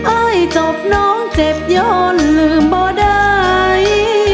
จบน้องเจ็บย้อนลืมบ่ได้